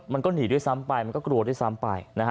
มันก็หนีด้วยซ้ำไปมันก็กลัวด้วยซ้ำไปนะฮะ